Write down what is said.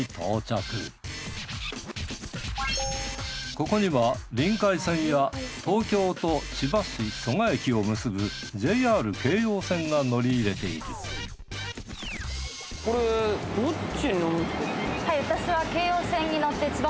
ここにはりんかい線や東京と千葉市蘇我駅を結ぶＪＲ京葉線が乗り入れている千葉？